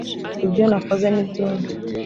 ibyo nakoze ni byinshi